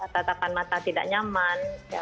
tatapan mata tidak nyaman